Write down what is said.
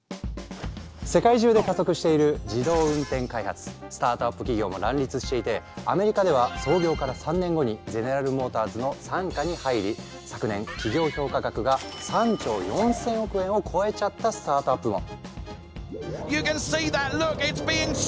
世界中で加速しているスタートアップ企業も乱立していてアメリカでは創業から３年後にゼネラルモーターズの傘下に入り昨年企業評価額が３兆４，０００億円を超えちゃったスタートアップも！